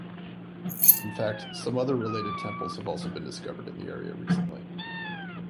In fact, some other related temples have also been discovered in the area recently.